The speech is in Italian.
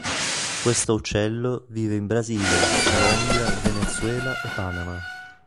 Questo uccello vive in Brasile, Colombia, Venezuela e Panama.